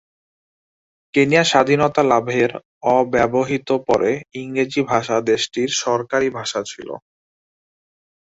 Kenya স্বাধীনতা লাভের অব্যবহিত পরে ইংরেজি ভাষা দেশটির সরকারি ভাষা ছিল।